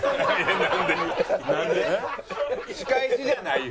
なんで仕返しじゃないよ。